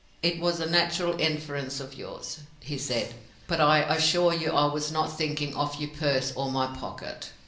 "It was a natural inference of yours," he said, "but I assure you I was not thinking of your purse or my pocket.